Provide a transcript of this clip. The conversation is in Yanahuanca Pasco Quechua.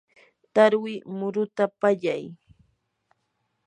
tarwi muruta pallay.